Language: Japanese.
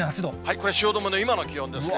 これ、汐留の今の気温ですね。